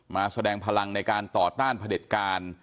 มาแสดงพลังในการต่อต้านผลิตการ